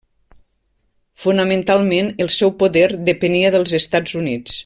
Fonamentalment el seu poder depenia dels Estats Units.